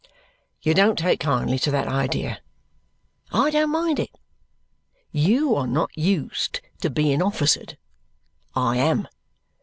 You don't take kindly to that idea; I don't mind it. You are not used to being officered; I am.